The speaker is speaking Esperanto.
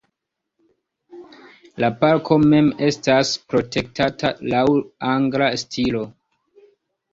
La parko mem estas protektata laŭ angla stilo.